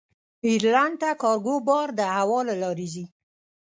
ایرلنډ ته کارګو بار د هوا له لارې ځي.